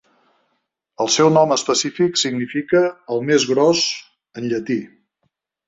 El seu nom específic significa 'el més gros' en llatí.